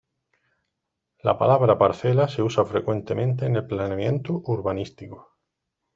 La palabra parcela se usa frecuentemente en el planeamiento urbanístico.